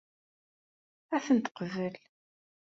Ad ten-teqbel?